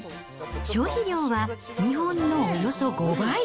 消費量は日本のおよそ５倍。